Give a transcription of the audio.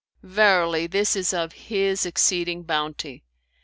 Verily this is of His exceeding bounty.'